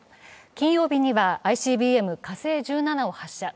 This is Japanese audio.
金曜日にはＩＣＢＭ、火星１７を発射。